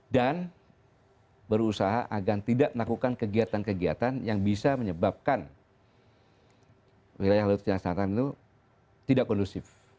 dan berusaha agar tidak melakukan kegiatan kegiatan yang bisa menyebabkan wilayah laut cina selatan itu tidak kondusif